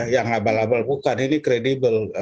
yang abal abal bukan ini kredibel